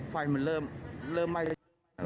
ไฟมันเริ่มเริ่มไหม้